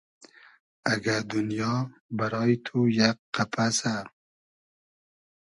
اگۂ دونیا بئرای تو یئگ قئپئسۂ